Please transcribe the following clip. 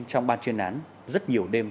trong ban chuyên án rất nhiều đêm